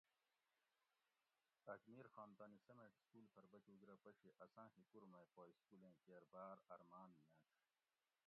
اجمیر خان تانی سمیٹ سکول پھر بچوگ رہ پشی اساں ہِکور مئی پا اسکولیں کیر باۤر ارماۤن ینش